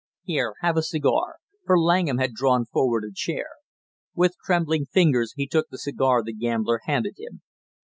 Here, have a cigar!" for Langham had drawn forward a chair. With trembling fingers he took the cigar the gambler handed him.